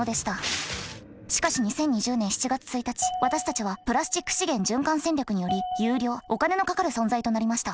しかし２０２０年７月１日私たちはプラスチック資源循環戦略により有料お金のかかる存在となりました。